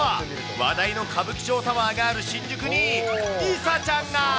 話題の歌舞伎町タワーがある新宿に、梨紗ちゃんが。